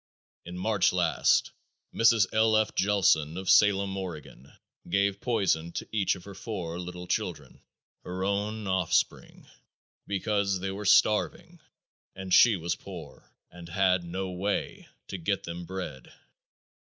In March last, Mrs. L. F. Jellson of Salem, Oregon, gave poison to each of her four little children, her own offspring, because they were starving and she was poor and had no way to get them bread.